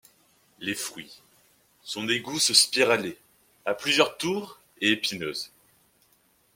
Les fruits sont des gousses spiralées à plusieurs tours et épineuses.